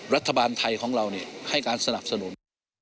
รัฐบาลไทยของเราให้การสนับสนุน